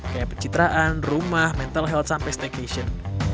kayak pencitraan rumah mental health sampai stagnation